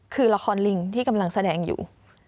คือละครลิงที่กำลังแสดงอยู่